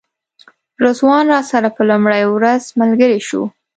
رضوان راسره په لومړۍ ورځ ملګری شو.